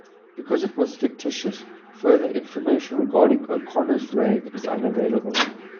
Because it was fictitious, further information regarding O'Connor's reign is unavailable.